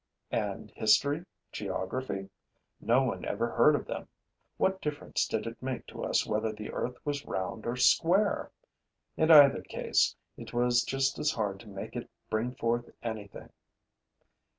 And history, geography? No one ever heard of them. What difference did it make to us whether the earth was round or square! In either case, it was just as hard to make it bring forth anything.